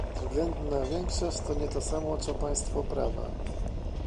Bezwzględna większość to nie to samo, co państwo prawa